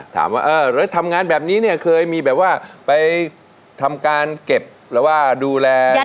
ถามว่าเออแล้วทำงานแบบนี้เนี่ยเคยมีแบบว่าไปทำการเก็บหรือว่าดูแล